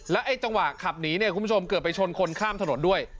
ไอ้จังหวะขับหนีเนี่ยคุณผู้ชมเกือบไปชนคนข้ามถนนด้วย